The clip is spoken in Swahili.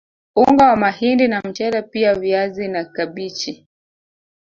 Unga wa mahindi na mchele pia viazi na kabichi